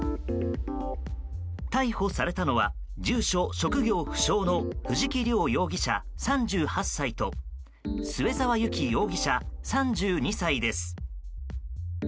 逮捕されたのは住所・職業不詳の藤木涼容疑者、３８歳と末澤有希容疑者、３２歳です。